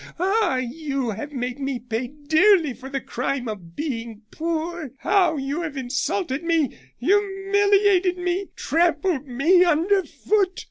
Ah! you have made me pay dearly for the crime of being poor. How you have insulted me humiliated me trampled me under foot!"